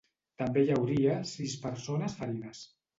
També hi hauria sis persones ferides.